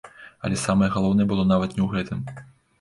Але самае галоўнае было нават не ў гэтым.